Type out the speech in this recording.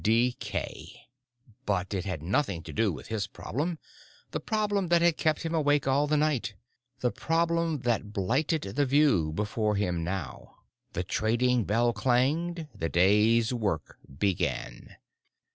Decay. But it had nothing to do with his problem, the problem that had kept him awake all the night, the problem that blighted the view before him now. The trading bell clanged. The day's work began.